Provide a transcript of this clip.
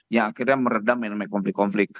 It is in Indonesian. yang akhirnya meredam nma konflik konflik